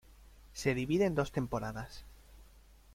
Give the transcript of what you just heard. Se divide en dos temporadas.